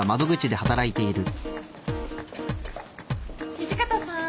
土方さん。